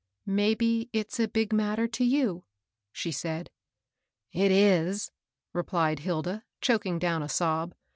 " Maybe it's a big matter to you," she said. " It is," repUed Hilda, choking down a sob.